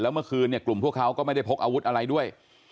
เมื่อคืนเนี่ยกลุ่มพวกเขาก็ไม่ได้พกอาวุธอะไรด้วย